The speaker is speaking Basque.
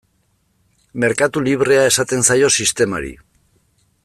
Merkatu librea esaten zaio sistemari.